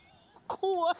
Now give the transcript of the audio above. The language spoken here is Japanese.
怖い！